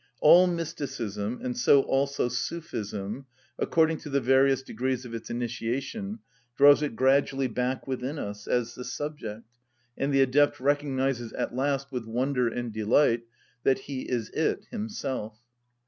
All mysticism, and so also Sufism, according to the various degrees of its initiation, draws it gradually back within us, as the subject, and the adept recognises at last with wonder and delight that he is it himself.